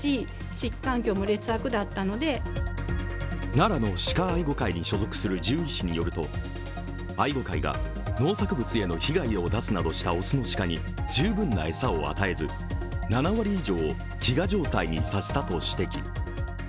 奈良の鹿愛護会に所属する獣医師によると愛護会が農作物への被害を出すなどした雄の鹿に十分な餌を与えず、７割以上を飢餓状態にさせたと指摘。